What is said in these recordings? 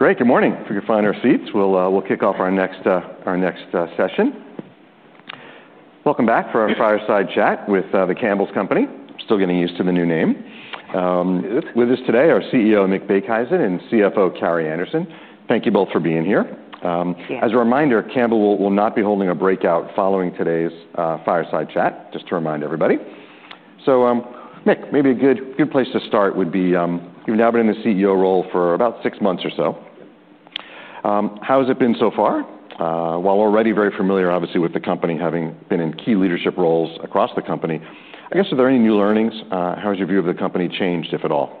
... Great. Good morning. If you could find our seats, we'll kick off our next session. Welcome back for our fireside chat with the Campbell's Company. Still getting used to the new name. With us today are CEO Mick Beekhuizen and CFO Carrie Anderson. Thank you both for being here. Yeah. As a reminder, Campbell will not be holding a breakout following today's Fireside Chat, just to remind everybody. So, Mick, maybe a good place to start would be, you've now been in the CEO role for about six months or so. Yep. How has it been so far? While already very familiar, obviously, with the company, having been in key leadership roles across the company, I guess, are there any new learnings? How has your view of the company changed, if at all?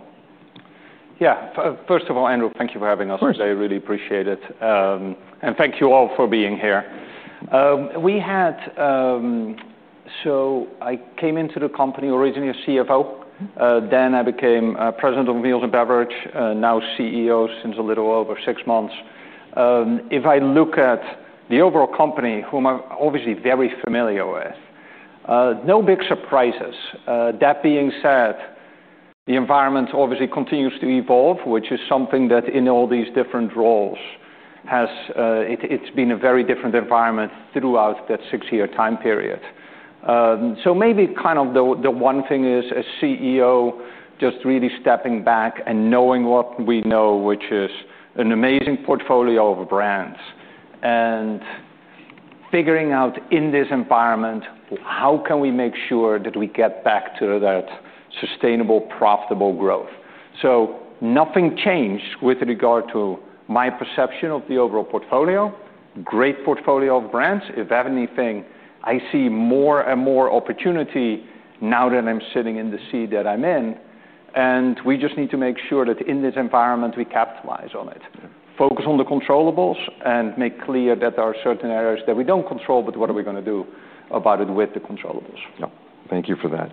Yeah. First of all, Andrew, thank you for having us today. Of course. I really appreciate it. And thank you all for being here. So I came into the company originally as CFO. Mm-hmm. Then I became president of Meals & Beverages, now CEO since a little over six months. If I look at the overall company, whom I'm obviously very familiar with, no big surprises. That being said, the environment obviously continues to evolve, which is something that, in all these different roles, has, it's been a very different environment throughout that six-year time period. So maybe kind of the one thing is, as CEO, just really stepping back and knowing what we know, which is an amazing portfolio of brands, and figuring out, in this environment, how can we make sure that we get back to that sustainable, profitable growth. So nothing changed with regard to my perception of the overall portfolio. Great portfolio of brands. If anything, I see more and more opportunity now that I'm sitting in the seat that I'm in, and we just need to make sure that in this environment, we capitalize on it. Mm-hmm. Focus on the controllables, and make clear that there are certain areas that we don't control, but what are we gonna do about it with the controllables? Yeah. Thank you for that.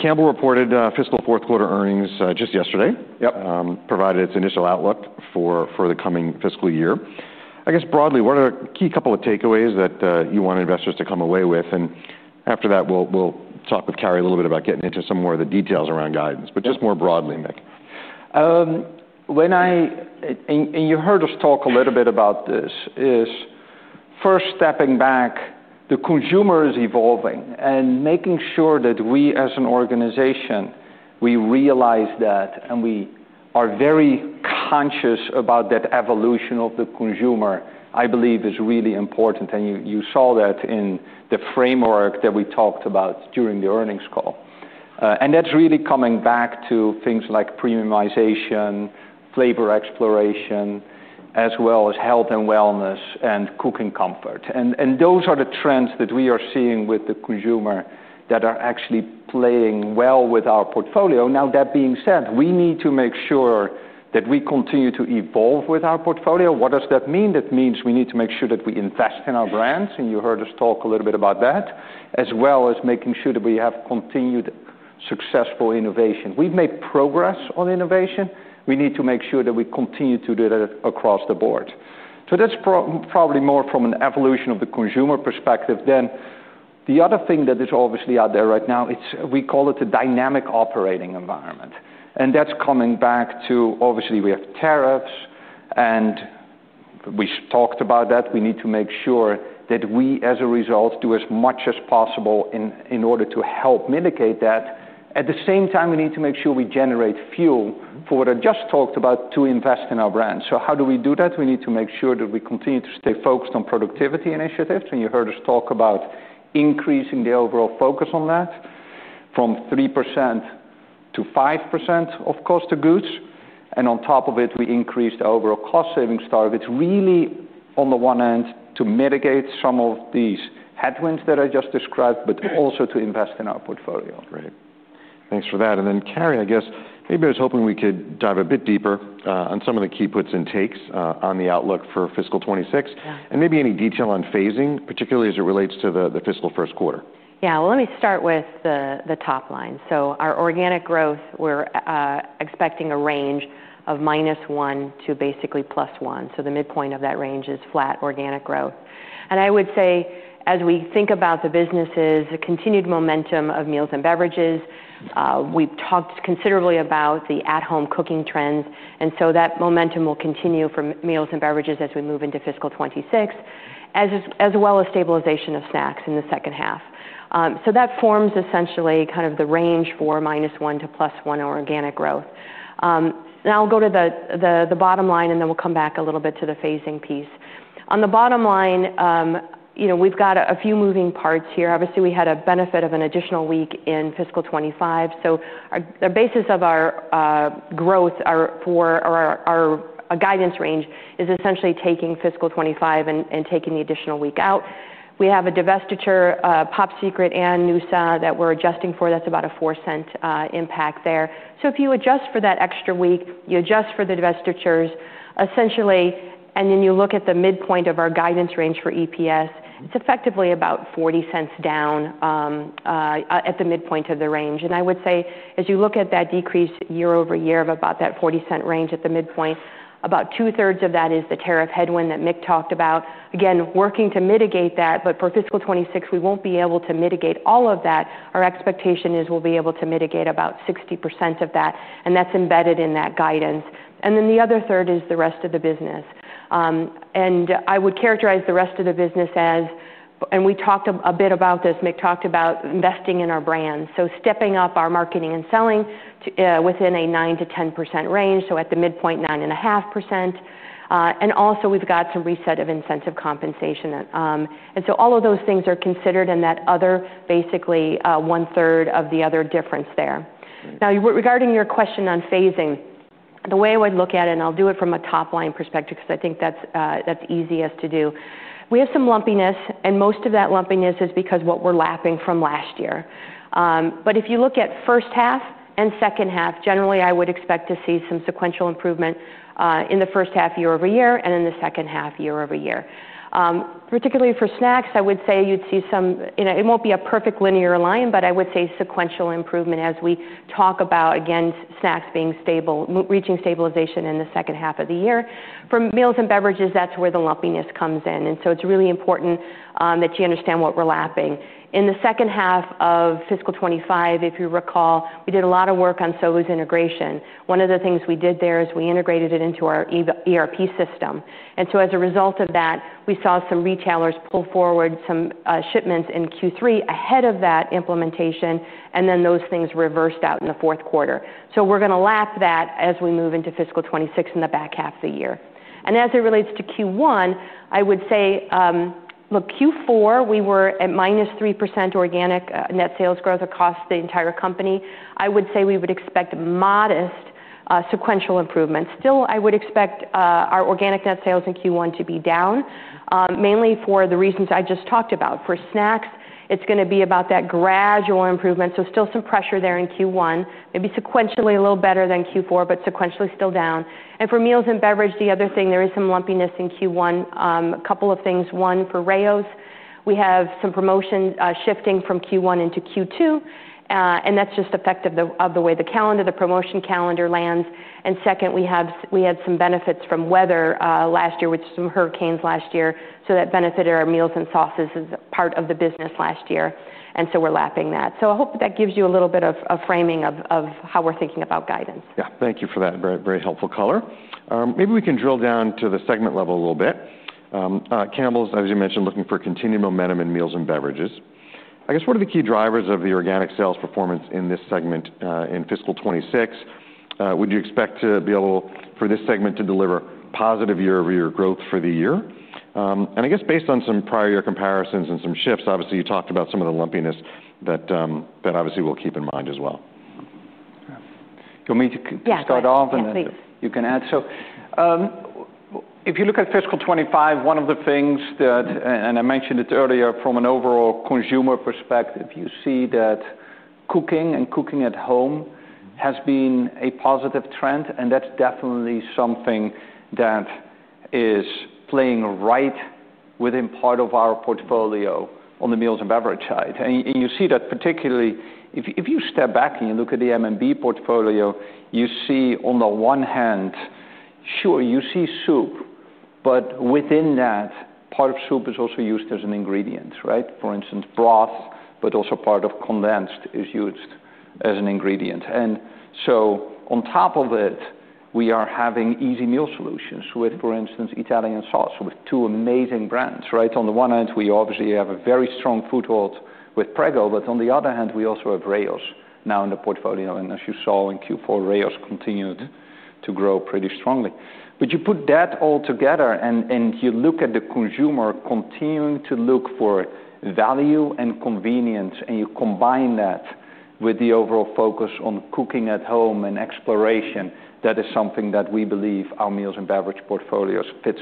Campbell reported fiscal fourth quarter earnings just yesterday. Yep. provided its initial outlook for the coming fiscal year. I guess, broadly, what are a key couple of takeaways that you want investors to come away with? And after that, we'll talk with Carrie a little bit about getting into some more of the details around guidance. Yep. But just more broadly, Mick. And you heard us talk a little bit about this, is first stepping back, the consumer is evolving, and making sure that we, as an organization, realize that, and we are very conscious about that evolution of the consumer, I believe is really important. And you saw that in the framework that we talked about during the earnings call. And that's really coming back to things like premiumization, flavor exploration, as well as health and wellness, and cooking comfort. And those are the trends that we are seeing with the consumer that are actually playing well with our portfolio. Now, that being said, we need to make sure that we continue to evolve with our portfolio. What does that mean? That means we need to make sure that we invest in our brands, and you heard us talk a little bit about that, as well as making sure that we have continued successful innovation. We've made progress on innovation. We need to make sure that we continue to do that across the board. So that's probably more from an evolution of the consumer perspective. Then, the other thing that is obviously out there right now, it's, we call it a dynamic operating environment, and that's coming back to, obviously, we have tariffs, and we talked about that. We need to make sure that we, as a result, do as much as possible in, in order to help mitigate that. At the same time, we need to make sure we generate fuel- Mm-hmm... for what I just talked about to invest in our brand. So how do we do that? We need to make sure that we continue to stay focused on productivity initiatives, and you heard us talk about increasing the overall focus on that, from 3 to 5% of cost of goods. And on top of it, we increased the overall cost-saving target. It's really, on the one hand, to mitigate some of these headwinds that I just described, but- Yeah... also to invest in our portfolio. Great. Thanks for that. And then, Carrie, I guess, maybe I was hoping we could dive a bit deeper on some of the key puts and takes on the outlook for fiscal '26. Yeah. Maybe any detail on phasing, particularly as it relates to the fiscal first quarter? Yeah, well, let me start with the top line. So our organic growth, we're expecting a range of -1% to basically +1%, so the midpoint of that range is flat organic growth, and I would say, as we think about the businesses, the continued momentum of meals and beverages, we've talked considerably about the at-home cooking trends, and so that momentum will continue for meals and beverages as we move into fiscal 2026, as well as stabilization of snacks in the second half. So that forms essentially kind of the range for -1 to +1% organic growth. Now I'll go to the bottom line, and then we'll come back a little bit to the phasing piece. On the bottom line, you know, we've got a few moving parts here. Obviously, we had a benefit of an additional week in fiscal '25, so the basis of our growth for our guidance range is essentially taking fiscal '25 and taking the additional week out. We have a divestiture, Pop Secret and Noosa, that we're adjusting for. That's about a $0.04 impact there. So if you adjust for that extra week, you adjust for the divestitures, essentially, and then you look at the midpoint of our guidance range for EPS, it's effectively about $0.40 down at the midpoint of the range. And I would say, as you look at that decrease year-over-year of about that $0.40 range at the midpoint, about two-thirds of that is the tariff headwind that Mick talked about. Again, working to mitigate that, but for fiscal '26, we won't be able to mitigate all of that. Our expectation is we'll be able to mitigate about 60% of that, and that's embedded in that guidance. And then the other third is the rest of the business. And I would characterize the rest of the business as, and we talked a bit about this, Mick talked about investing in our brands, so stepping up our marketing and selling within a 9-10% range, so at the midpoint, 9.5%. And also we've got some reset of incentive compensation. And so all of those things are considered in that other, basically, one-third of the other difference there. Now, regarding your question on phasing, the way I would look at it, and I'll do it from a top-line perspective because I think that's easiest to do. We have some lumpiness, and most of that lumpiness is because what we're lapping from last year. But if you look at first half and second half, generally, I would expect to see some sequential improvement in the first half year-over-year and in the second half year-over-year. Particularly for snacks, I would say you'd see some... You know, it won't be a perfect linear line, but I would say sequential improvement as we talk about, again, snacks being stable, reaching stabilization in the second half of the year. For meals and beverages, that's where the lumpiness comes in, and so it's really important that you understand what we're lapping. In the second half of fiscal '25, if you recall, we did a lot of work on Sovos's integration. One of the things we did there is we integrated it into our ERP system, and so as a result of that, we saw some retailers pull forward some shipments in Q3 ahead of that implementation, and then those things reversed out in the fourth quarter, so we're gonna lap that as we move into fiscal '26 in the back half of the year, and as it relates to Q1, I would say, look, Q4, we were at -3% organic net sales growth across the entire company. I would say we would expect modest sequential improvements. Still, I would expect our organic net sales in Q1 to be down mainly for the reasons I just talked about. For snacks, it's gonna be about that gradual improvement, so still some pressure there in Q1, maybe sequentially a little better than Q4, but sequentially still down, and for meals and beverages, the other thing is there is some lumpiness in Q1. A couple of things: one, for Rao's, we have some promotion shifting from Q1 into Q2, and that's just the effect of the way the promotion calendar lands, and second, we had some benefits from weather last year, with some hurricanes last year, so that benefited our meals and sauces as a part of the business last year, and so we're lapping that, so I hope that gives you a little bit of framing of how we're thinking about guidance. Yeah. Thank you for that very, very helpful color. Maybe we can drill down to the segment level a little bit. Campbell's, as you mentioned, looking for continued momentum in Meals & Beverages. I guess, what are the key drivers of the organic sales performance in this segment, in fiscal '26? Would you expect to be able for this segment to deliver positive year-over-year growth for the year, and I guess based on some prior year comparisons and some shifts, obviously, you talked about some of the lumpiness that obviously we'll keep in mind as well. Yeah. You want me to Yeah... start off? Yes, please. You can add. So if you look at fiscal '25, one of the things that and I mentioned it earlier from an overall consumer perspective, you see that cooking and cooking at home has been a positive trend, and that's definitely something that is playing right within part of our portfolio on the meals and beverages side. You see that, particularly if you step back and you look at the M&B portfolio. You see on the one hand, sure, you see soup, but within that, part of soup is also used as an ingredient, right? For instance, broth, but also part of condensed is used as an ingredient. So on top of it, we are having easy meal solutions with, for instance, Italian sauce, with two amazing brands, right? On the one hand, we obviously have a very strong foothold with Prego, but on the other hand, we also have Rao's now in the portfolio, and as you saw in Q4, Rao's continued to grow pretty strongly. But you put that all together, and you look at the consumer continuing to look for value and convenience, and you combine that with the overall focus on cooking at home and exploration, that is something that we believe our Meals and Beverages portfolios fits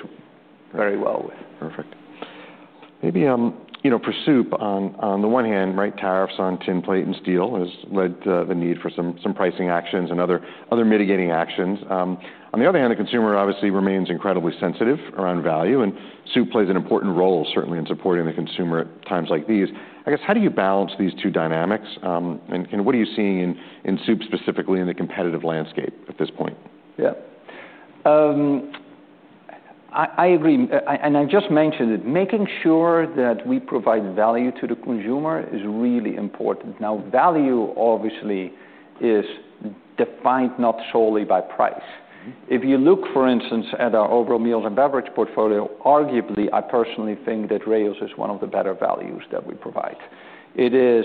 very well with. Perfect. Maybe, you know, for soup, on the one hand, right, tariffs on tinplate and steel has led to the need for some pricing actions and other mitigating actions. On the other hand, the consumer obviously remains incredibly sensitive around value, and soup plays an important role, certainly, in supporting the consumer at times like these. I guess, how do you balance these two dynamics? And what are you seeing in soup, specifically in the competitive landscape at this point? Yeah. I agree, and I just mentioned it, making sure that we provide value to the consumer is really important. Now, value, obviously, is defined not solely by price. Mm-hmm. If you look, for instance, at our overall meals and beverage portfolio, arguably, I personally think that Rao's is one of the better values that we provide. It is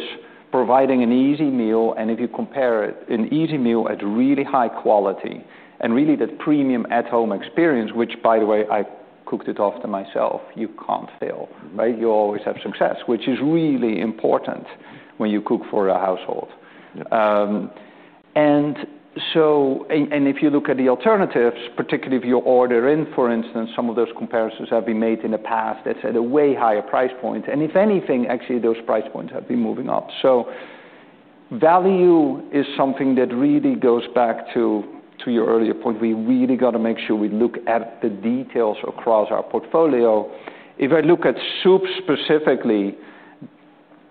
providing an easy meal, and if you compare it, an easy meal at really high quality and really that premium at-home experience, which by the way, I cooked it often myself, you can't fail, right? You always have success, which is really important when you cook for a household. And so, and if you look at the alternatives, particularly if you order in, for instance, some of those comparisons have been made in the past, that's at a way higher price point, and if anything, actually, those price points have been moving up. So value is something that really goes back to your earlier point. We really got to make sure we look at the details across our portfolio. If I look at soup specifically,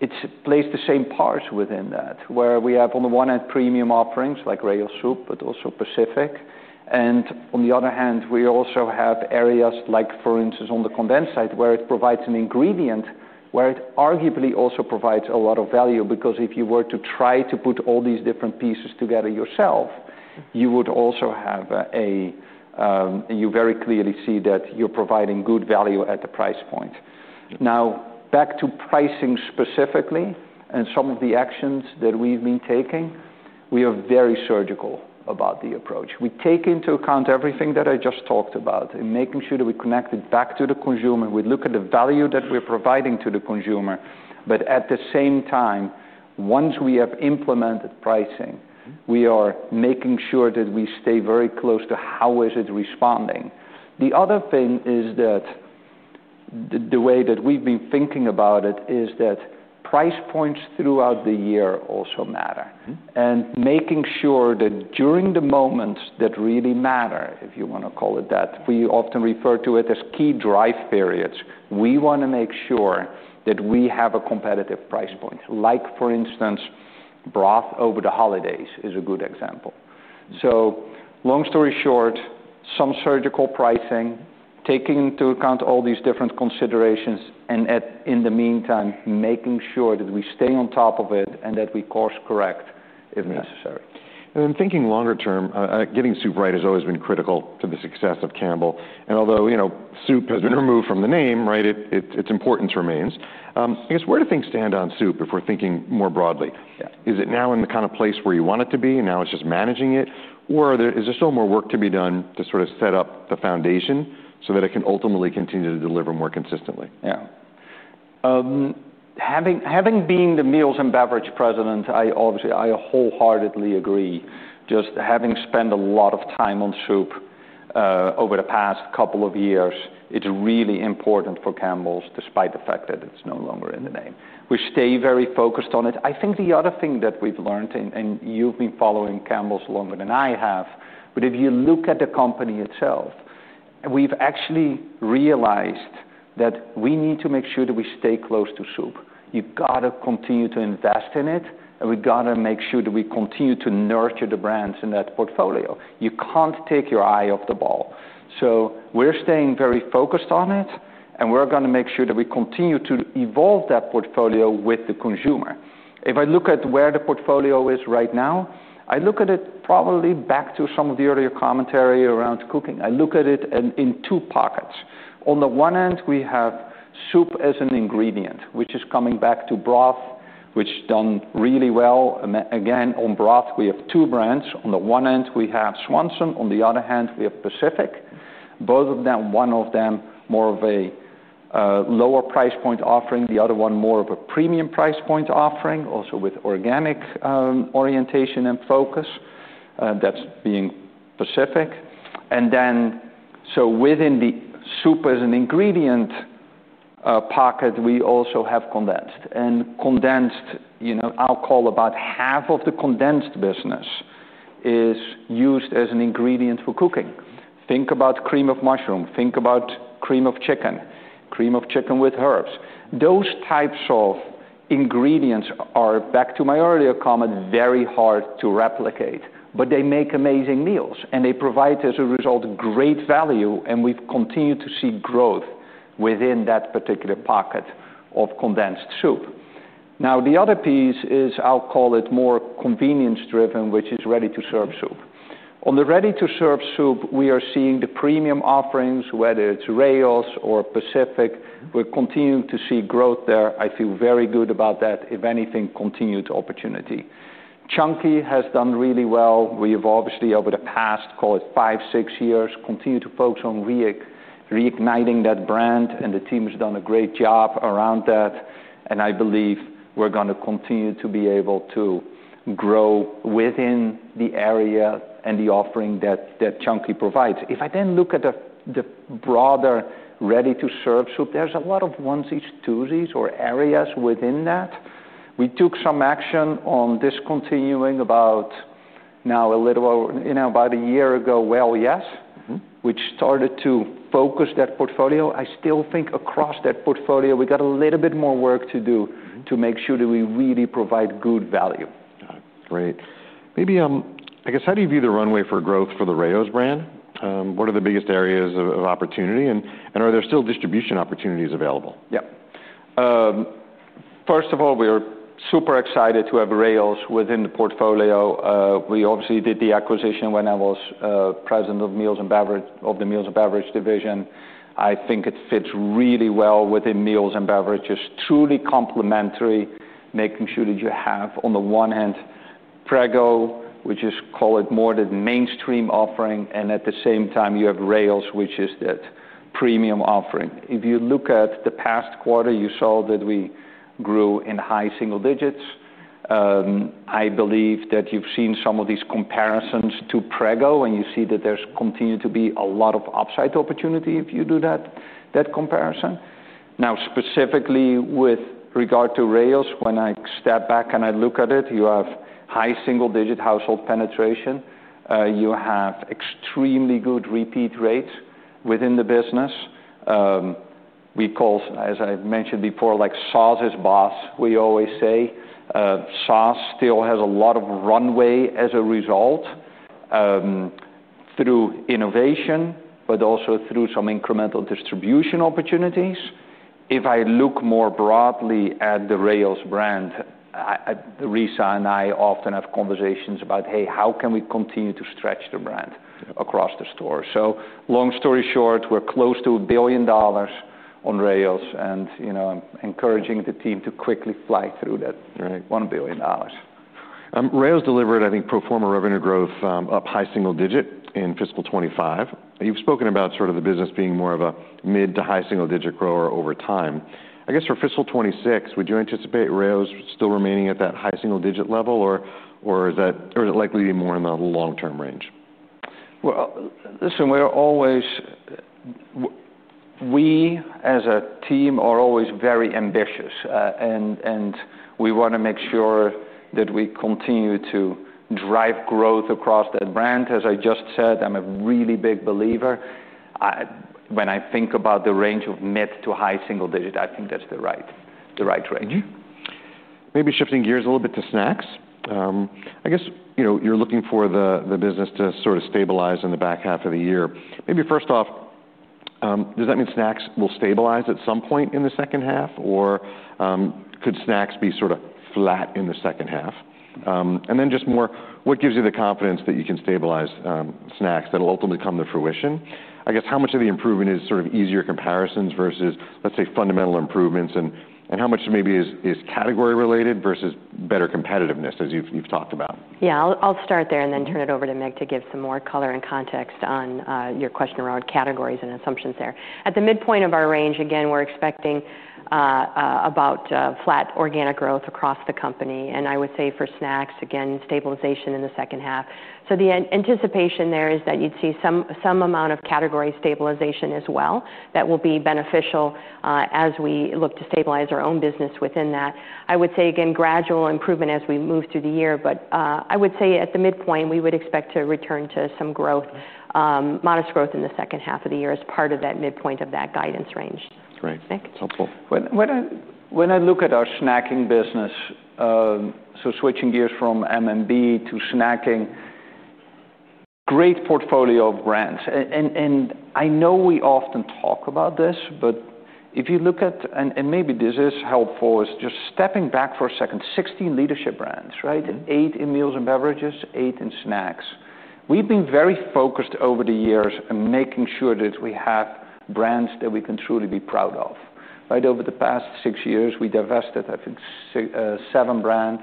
it plays the same parts within that, where we have, on the one hand, premium offerings like Rao's soup, but also Pacific, and on the other hand, we also have areas like, for instance, on the condensed side, where it provides an ingredient, where it arguably also provides a lot of value. Because if you were to try to put all these different pieces together yourself, you would also have a. You very clearly see that you're providing good value at the price point. Now, back to pricing specifically and some of the actions that we've been taking. We are very surgical about the approach. We take into account everything that I just talked about in making sure that we connect it back to the consumer. We look at the value that we're providing to the consumer, but at the same time, once we have implemented pricing, we are making sure that we stay very close to how is it responding. The other thing is that the way that we've been thinking about it is that price points throughout the year also matter. Mm-hmm. Making sure that during the moments that really matter, if you want to call it that, we often refer to it as key drive periods, we want to make sure that we have a competitive price point. Like, for instance, broth over the holidays is a good example. Long story short, some surgical pricing, taking into account all these different considerations, and, in the meantime, making sure that we stay on top of it and that we course-correct if necessary. And in thinking longer term, getting soup right has always been critical to the success of Campbell. And although, you know, soup has been removed from the name, right, its importance remains. I guess, where do things stand on soup if we're thinking more broadly? Yeah. Is it now in the kind of place where you want it to be, and now it's just managing it, or are there... is there still more work to be done to sort of set up the foundation so that it can ultimately continue to deliver more consistently? Yeah. Having been the Meals & Beverages president, I obviously wholeheartedly agree. Just having spent a lot of time on soup over the past couple of years, it's really important for Campbell's, despite the fact that it's no longer in the name. We stay very focused on it. I think the other thing that we've learned, and you've been following Campbell's longer than I have, but if you look at the company itself, we've actually realized that we need to make sure that we stay close to soup. You've got to continue to invest in it, and we've got to make sure that we continue to nurture the brands in that portfolio. You can't take your eye off the ball. So we're staying very focused on it, and we're gonna make sure that we continue to evolve that portfolio with the consumer. If I look at where the portfolio is right now, I look at it probably back to some of the earlier commentary around cooking. I look at it in two pockets. On the one hand, we have soup as an ingredient, which is coming back to broth, which done really well. Again, on broth, we have two brands. On the one hand, we have Swanson, on the other hand, we have Pacific. Both of them, one of them more of a lower price point offering, the other one more of a premium price point offering, also with organic orientation and focus, that's Pacific. And then, so within the soup as an ingredient pocket, we also have condensed. And condensed, you know, I'll call about half of the condensed business is used as an ingredient for cooking. Think about cream of mushroom, think about cream of chicken, cream of chicken with herbs. Those types of ingredients are, back to my earlier comment, very hard to replicate, but they make amazing meals, and they provide, as a result, great value, and we've continued to see growth within that particular pocket of condensed soup. Now, the other piece is, I'll call it, more convenience-driven, which is ready-to-serve soup. On the ready-to-serve soup, we are seeing the premium offerings, whether it's Rao's or Pacific. We're continuing to see growth there. I feel very good about that, if anything, continued opportunity. Chunky has done really well. We've obviously, over the past, call it five, six years, continued to focus on reigniting that brand, and the team has done a great job around that, and I believe we're gonna continue to be able to grow within the area and the offering that Chunky provides. If I then look at the broader ready-to-serve soup, there's a lot of onesies, twosies, or areas within that. We took some action on discontinuing about now, a little over, you know, about a year ago, Well Yes! Mm-hmm. Which started to focus that portfolio. I still think across that portfolio, we got a little bit more work to do- Mm-hmm. to make sure that we really provide good value. Got it. Great. Maybe, I guess, how do you view the runway for growth for the Rao's brand? What are the biggest areas of opportunity, and are there still distribution opportunities available? Yeah. First of all, we are super excited to have Rao's within the portfolio. We obviously did the acquisition when I was president of the Meals & Beverages division. I think it fits really well within Meals & Beverages. It's truly complementary, making sure that you have, on the one hand, Prego, which is, call it, more the mainstream offering, and at the same time, you have Rao's, which is that premium offering. If you look at the past quarter, you saw that we grew in high single digits. I believe that you've seen some of these comparisons to Prego, and you see that there's continued to be a lot of upside opportunity if you do that, that comparison. Now, specifically with regard to Rao's, when I step back and I look at it, you have high single-digit household penetration. You have extremely good repeat rates within the business. As I mentioned before, like, "Sauce is boss," we always say. Sauce still has a lot of runway as a result, through innovation, but also through some incremental distribution opportunities. If I look more broadly at the Rao's brand, Risa and I often have conversations about, "Hey, how can we continue to stretch the brand across the store?" So long story short, we're close to $1 billion in sales, and, you know, I'm encouraging the team to quickly fly through that- Right - $1 billion. Rao's delivered, I think, pro forma revenue growth up high single digit in fiscal '25. You've spoken about sort of the business being more of a mid to high single digit grower over time. I guess, for fiscal '26, would you anticipate Rao's still remaining at that high single digit level, or is it likely to be more in the long-term range? Listen, we're always, we as a team are always very ambitious, and we want to make sure that we continue to drive growth across that brand. As I just said, I'm a really big believer. When I think about the range of mid- to high single digit, I think that's the right range. Mm-hmm. Maybe shifting gears a little bit to snacks. I guess, you know, you're looking for the business to sort of stabilize in the back half of the year. Maybe first off, does that mean snacks will stabilize at some point in the second half, or could snacks be sort of flat in the second half? And then just more, what gives you the confidence that you can stabilize snacks that will ultimately come to fruition? I guess, how much of the improvement is sort of easier comparisons versus, let's say, fundamental improvements, and how much maybe is category related versus better competitiveness, as you've talked about? Yeah, I'll start there and then turn it over to Mick to give some more color and context on your question around categories and assumptions there. At the midpoint of our range, again, we're expecting about flat organic growth across the company, and I would say for snacks, again, stabilization in the second half. So the anticipation there is that you'd see some amount of category stabilization as well that will be beneficial as we look to stabilize our own business within that. I would say, again, gradual improvement as we move through the year, but I would say at the midpoint, we would expect to return to some growth, modest growth in the second half of the year as part of that midpoint of that guidance range. That's right. Thank you. helpful. When I look at our snacking business, so switching gears from M&B to snacking, great portfolio of brands. And I know we often talk about this, but if you look at... And maybe this is helpful, is just stepping back for a second, 16 leadership brands, right? Mm. Eight in Meals & Beverages, eight in snacks. We've been very focused over the years in making sure that we have brands that we can truly be proud of, right? Over the past six years, we divested, I think, seven brands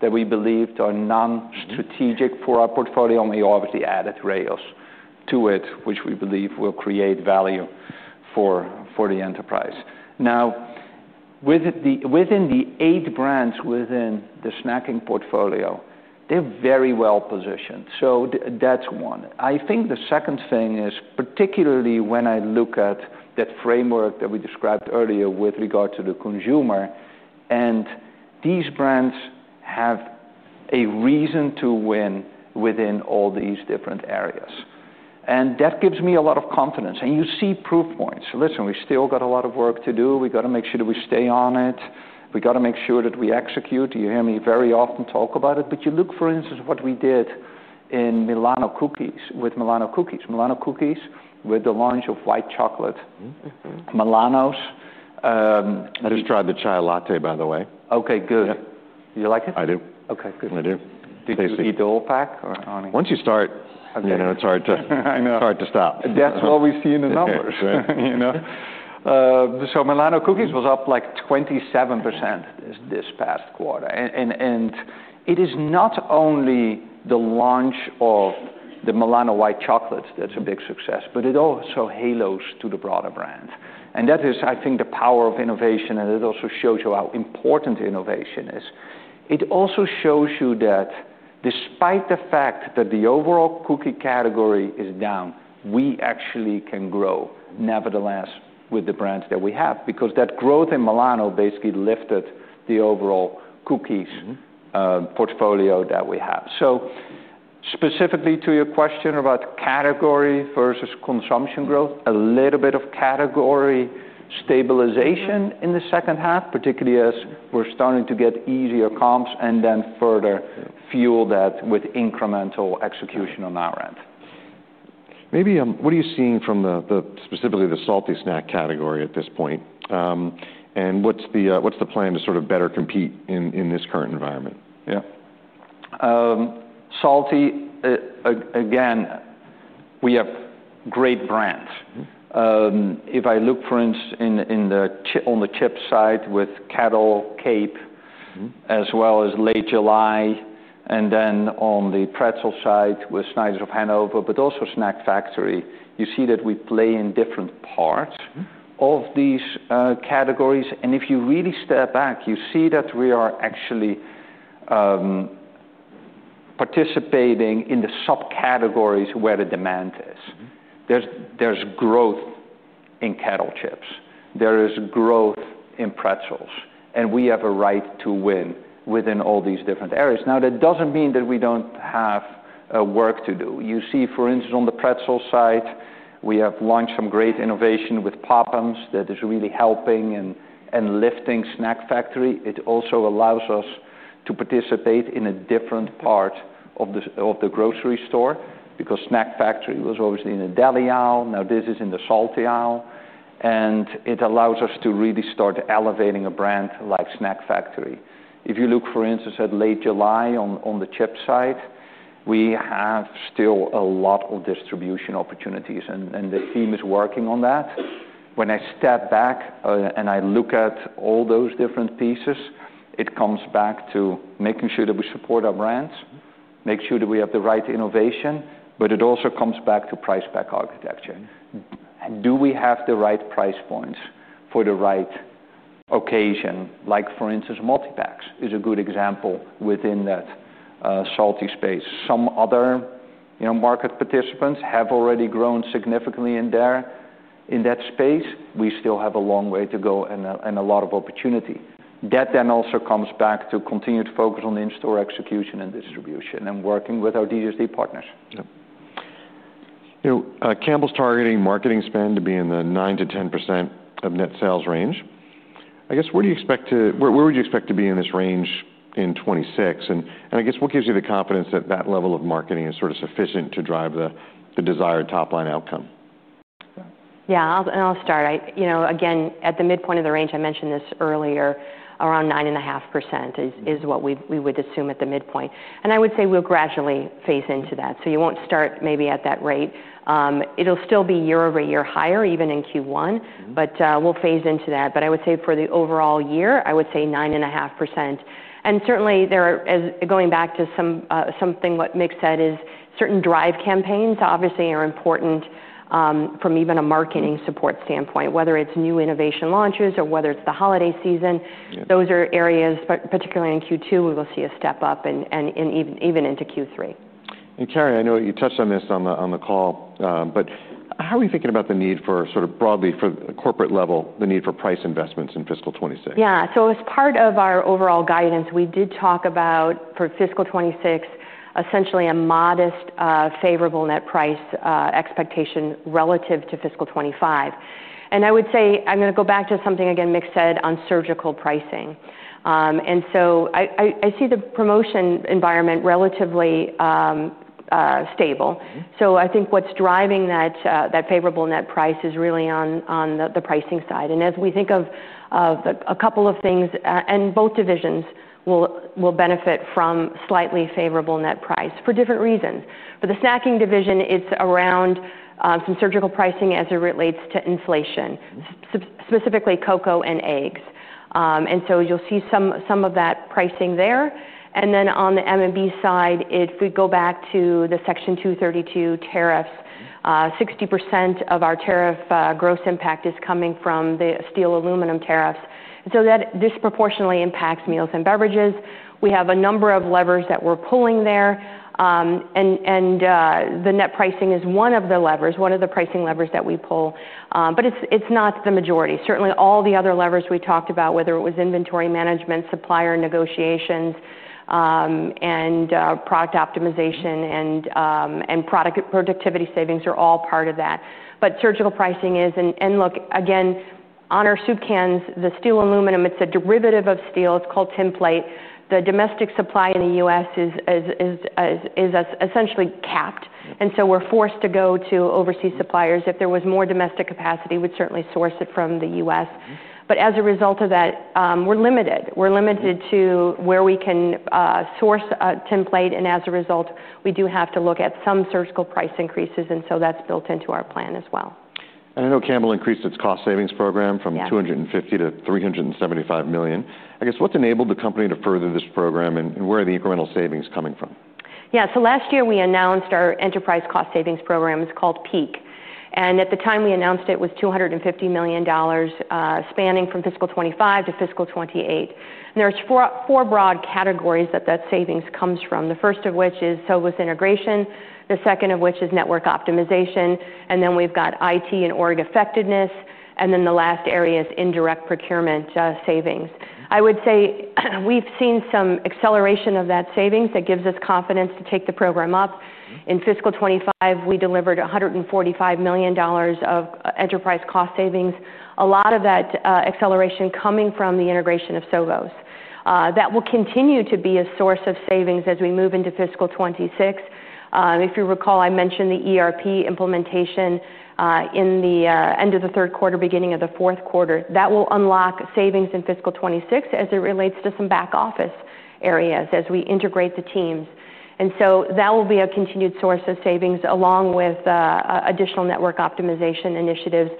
that we believed are non-strategic- Mm for our portfolio, and we obviously added Rao's to it, which we believe will create value for the enterprise. Now, within the eight brands within the snacking portfolio, they're very well-positioned, so that's one. I think the second thing is, particularly when I look at that framework that we described earlier with regard to the consumer, and these brands have a reason to win within all these different areas, and that gives me a lot of confidence, and you see proof points. So, listen, we've still got a lot of work to do. We've got to make sure that we stay on it. We've got to make sure that we execute. You hear me very often talk about it. But you look, for instance, what we did in Milano Cookies, with Milano Cookies, Milano Cookies, with the launch of White Chocolate. Mm-hmm. Mm-hmm. Milanos, um- I just tried the chai latte, by the way. Okay, good. Yeah. Do you like it? I do. Okay, good. I do. Tasty. Did you eat the whole pack or only- Once you start- Okay... you know, it's hard to- I know It's hard to stop. That's what we see in the numbers. Right. You know? So Milano Cookies was up, like, 27% this past quarter, and it is not only the launch of the Milano White Chocolate that's a big success, but it also halos to the broader brand, and that is, I think, the power of innovation, and it also shows you how important innovation is. It also shows you that despite the fact that the overall cookie category is down, we actually can grow nevertheless with the brands that we have because that growth in Milano basically lifted the overall cookies- Mm... portfolio that we have. So specifically to your question about category versus consumption growth, a little bit of category stabilization- Mm In the second half, particularly as we're starting to get easier comps and then further fuel that with incremental execution on our end. Maybe, what are you seeing from the, specifically the salty snack category at this point? And what's the plan to sort of better compete in this current environment? Yeah. Salty, again, we have great brands. Mm. If I look, for instance, in the chips side with Kettle, Cape Cod. Mm... as well as Late July, and then on the pretzel side with Snyder's of Hanover, but also Snack Factory, you see that we play in different parts- Mm... of these categories, and if you really step back, you see that we are actually participating in the subcategories where the demand is. Mm. There's growth in Kettle chips. There is growth in pretzels, and we have a right to win within all these different areas. Now, that doesn't mean that we don't have work to do. You see, for instance, on the pretzel side, we have launched some great innovation with Pop'ums that is really helping and lifting Snack Factory. It also allows us to participate in a different part of the grocery store because Snack Factory was always in the deli aisle. Now, this is in the salty aisle, and it allows us to really start elevating a brand like Snack Factory. If you look, for instance, at Late July on the chips side, we have still a lot of distribution opportunities, and the team is working on that. When I step back and I look at all those different pieces... It comes back to making sure that we support our brands, make sure that we have the right innovation, but it also comes back to price-pack architecture. Do we have the right price points for the right occasion? Like, for instance, multipacks is a good example within that, salty space. Some other, you know, market participants have already grown significantly in there, in that space. We still have a long way to go and a lot of opportunity. That then also comes back to continued focus on the in-store execution and distribution, and working with our DSD partners. Yep. You know, Campbell's targeting marketing spend to be in the 9-10% of net sales range. I guess, where do you expect to, where would you expect to be in this range in 2026? And I guess what gives you the confidence that that level of marketing is sort of sufficient to drive the desired top-line outcome? Yeah, and I'll start. You know, again, at the midpoint of the range, I mentioned this earlier, around 9.5% is what we would assume at the midpoint. And I would say we'll gradually phase into that, so you won't start maybe at that rate. It'll still be year-over-year higher, even in Q1. Mm-hmm. -but, we'll phase into that. But I would say for the overall year, I would say 9.5%. And certainly, there are. As going back to something what Mick said, certain drive campaigns obviously are important, from even a marketing support standpoint. Whether it's new innovation launches or whether it's the holiday season- Yeah... those are areas, particularly in Q2, we will see a step-up and even into Q3. Carrie, I know you touched on this on the call, but how are we thinking about the need for, sort of broadly for corporate level, the need for price investments in fiscal '26? Yeah. So as part of our overall guidance, we did talk about, for fiscal 2026, essentially a modest, favorable net price expectation relative to fiscal 2025. And I would say... I'm gonna go back to something again Mick said on surgical pricing. And so I see the promotion environment relatively stable. Mm-hmm. So I think what's driving that, that favorable net price is really on the pricing side. And as we think of a couple of things, and both divisions will benefit from slightly favorable net price, for different reasons. For the Snacks division, it's around some surgical pricing as it relates to inflation. Mm... specifically cocoa and eggs. And so you'll see some of that pricing there. And then on the M&B side, if we go back to the Section 232 tariffs- Mm... 60% of our tariff gross impact is coming from the steel aluminum tariffs, so that disproportionately impacts meals and beverages. We have a number of levers that we're pulling there, and the net pricing is one of the levers, one of the levers that we pull, but it's not the majority. Certainly, all the other levers we talked about, whether it was inventory management, supplier negotiations, and product optimization, and product productivity savings are all part of that. But surgical pricing is. And look, again, on our soup cans, the steel aluminum, it's a derivative of steel. It's called tinplate. The domestic supply in the US is essentially capped- Mm... and so we're forced to go to overseas suppliers. Mm. If there was more domestic capacity, we'd certainly source it from the US. Mm-hmm. But as a result of that, we're limited. Mm. We're limited to where we can source tinplate, and as a result, we do have to look at some surgical price increases, and so that's built into our plan as well. I know Campbell increased its cost savings program from- Yeah... $250 million-$375 million. I guess, what's enabled the company to further this program, and where are the incremental savings coming from? Yeah, so last year, we announced our enterprise cost savings program. It's called PEAK, and at the time we announced it, it was $250 million spanning from fiscal 2025 to fiscal 2028. There are four broad categories that savings comes from, the first of which is Sovos integration, the second of which is network optimization, and then we've got IT and org effectiveness, and then the last area is indirect procurement savings. Mm. I would say, we've seen some acceleration of that savings that gives us confidence to take the program up. Mm-hmm. In fiscal '25, we delivered $145 million of enterprise cost savings. A lot of that acceleration coming from the integration of Sovos. That will continue to be a source of savings as we move into fiscal '26. If you recall, I mentioned the ERP implementation in the end of the third quarter, beginning of the fourth quarter. That will unlock savings in fiscal '26 as it relates to some back office areas, as we integrate the teams. And so that will be a continued source of savings, along with additional network optimization initiatives.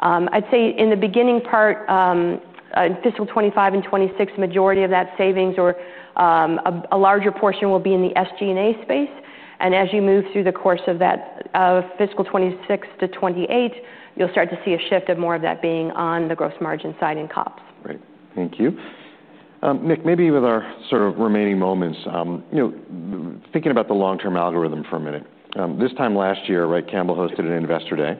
I'd say in the beginning part, fiscal '25 and '26, majority of that savings or, a larger portion will be in the SG&A space, and as you move through the course of that, fiscal '26 to '28, you'll start to see a shift of more of that being on the gross margin side in COGS. Great. Thank you. Mick, maybe with our sort of remaining moments, you know, thinking about the long-term algorithm for a minute, this time last year, right, Campbell hosted an Investor Day,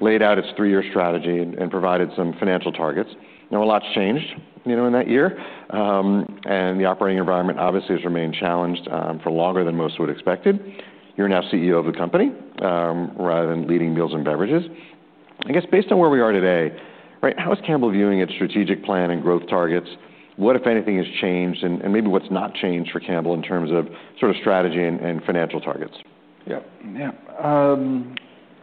laid out its three-year strategy, and, and provided some financial targets. Now, a lot's changed, you know, in that year, and the operating environment obviously has remained challenged, for longer than most would've expected. You're now CEO of the company, rather than leading Meals & Beverages. I guess, based on where we are today, right, how is Campbell viewing its strategic plan and growth targets? \What, if anything, has changed, and, and maybe what's not changed for Campbell in terms of sort of strategy and, and financial targets? Yeah. Yeah,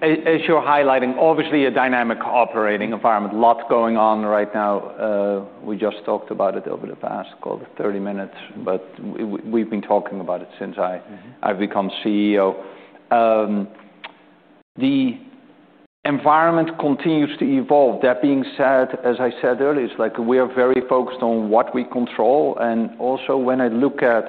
as you're highlighting, obviously, a dynamic operating environment. Lots going on right now. We just talked about it over the past thirty minutes, but we've been talking about it since I- Mm-hmm... I've become CEO. The environment continues to evolve. That being said, as I said earlier, it's like we are very focused on what we control, and also when I look at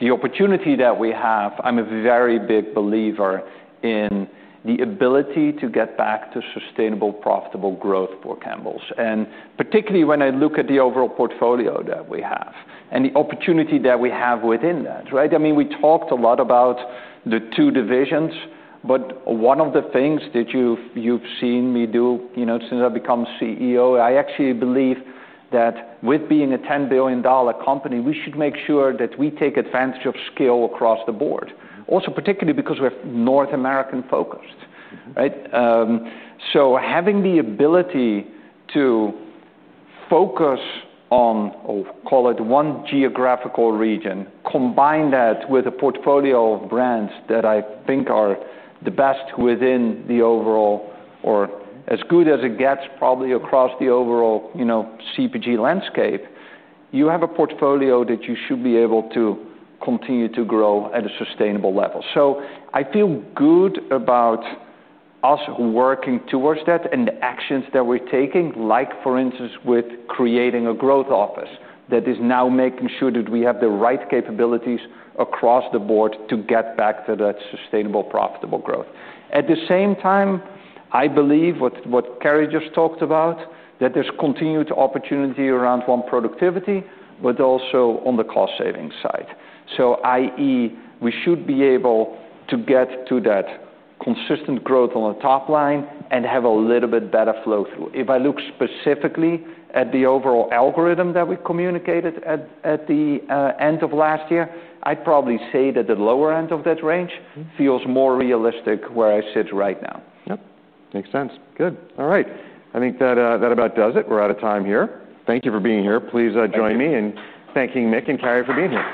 the opportunity that we have, I'm a very big believer in the ability to get back to sustainable, profitable growth for Campbell's. And particularly when I look at the overall portfolio that we have and the opportunity that we have within that, right? I mean, we talked a lot about the two divisions, but one of the things that you've seen me do, you know, since I've become CEO, I actually believe that with being a $10 billion company, we should make sure that we take advantage of scale across the board. Also, particularly because we're North American-focused, right? So having the ability to focus on, or call it one geographical region, combine that with a portfolio of brands that I think are the best within the overall, or as good as it gets, probably across the overall, you know, CPG landscape, you have a portfolio that you should be able to continue to grow at a sustainable level. So I feel good about us working towards that and the actions that we're taking, like, for instance, with creating a growth office, that is now making sure that we have the right capabilities across the board to get back to that sustainable, profitable growth. At the same time, I believe what Carrie just talked about, that there's continued opportunity around one, productivity, but also on the cost-saving side. i.e., we should be able to get to that consistent growth on the top line and have a little bit better flow through. If I look specifically at the overall algorithm that we communicated at the end of last year, I'd probably say that the lower end of that range feels more realistic where I sit right now. Yep, makes sense. Good. All right. I think that, that about does it. We're out of time here. Thank you for being here. Thank you. Please, join me in thanking Mick and Carrie for being here.